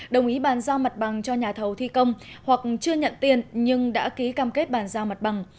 đồng ý bàn giao mặt bằng cho nhà thầu thi công hoặc chưa nhận tiền nhưng đã ký cam kết bàn giao mặt bằng